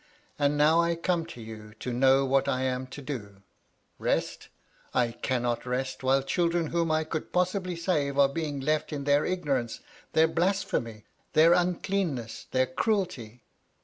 And now I come to you to know what I am to do? KestI I cannot rest, while children whom I could possibly save are being left in their ignorance, their blasphemy, their uncleanness, their cruelty.